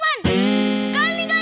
kalian buat kalian lari